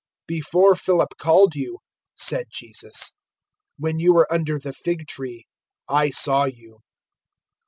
"Before Philip called you," said Jesus, "when you were under the fig tree I saw you."